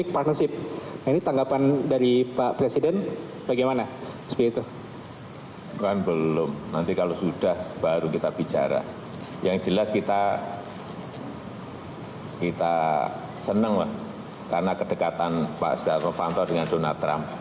kita senang mah karena kedekatan pak sdiano vanto dengan dona trump